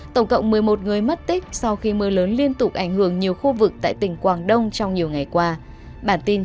tổng cộng một mươi một người mất tích sau khi mưa lớn liên tục ảnh hưởng nhiều khu vực tại tỉnh quảng đông trong nhiều ngày qua